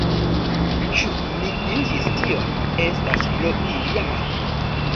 Ĉu mi iĝis tion, estas pro ilia manko.